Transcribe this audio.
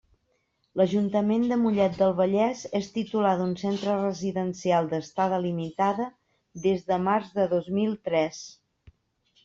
L'Ajuntament de Mollet del Vallès és titular d'un centre residencial d'estada limitada des de març de dos mil tres.